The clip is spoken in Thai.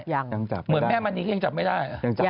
เหมือนแม่มันนี้ก็ยังจับไม่ได้